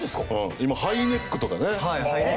今ハイネックとかね。